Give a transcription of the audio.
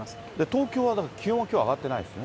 東京はだから気温はきょうは上がってないですね。